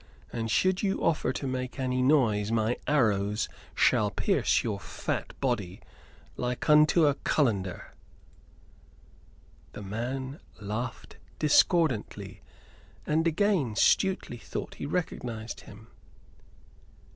And should you offer to make any noise my arrows shall pierce your fat body like unto a cullender." The man laughed discordantly; and again Stuteley thought he recognized him.